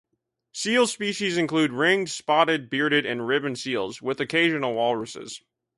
Seal species include ringed, spotted, bearded and ribbon seals, with occasional walruses.